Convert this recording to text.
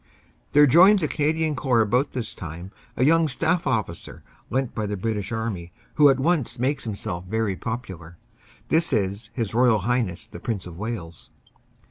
There joins the Canadian Corps about this time a young staff officer lent by the British Army who at once makes himself very popular. This is H. R. H. the Prince of Wales.